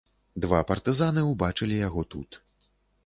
Два партызаны ўбачылі яго тут.